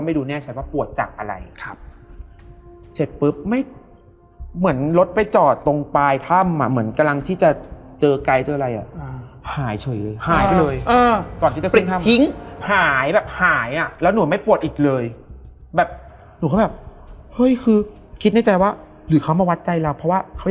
อีกเรื่องหนึ่งนะคะได้มั้ย